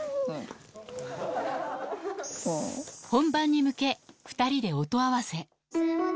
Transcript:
本番に向け、２人で音合わせ。